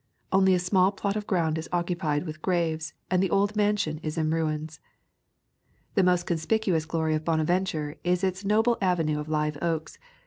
Only a small plot of ground is occupied with graves and the old mansion is in ruins. The most conspicuous glory of Bonaventure is its noble avenue of live oaks.